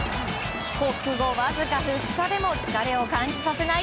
帰国後わずか２日でも疲れを感じさせない